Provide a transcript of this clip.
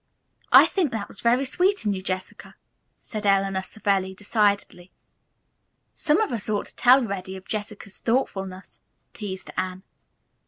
"I think that was very sweet in you, Jessica," said Eleanor Savelli decidedly. "Some of us ought to tell Reddy of Jessica's thoughtfulness," teased Anne.